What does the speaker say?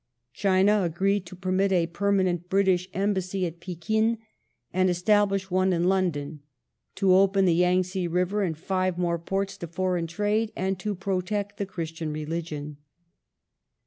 China agreed to permit a permanent British Embassy at Pekin and establish one in London ; to open the Yang tse river and five more ports to foreign trade, and to protect the Christian religion.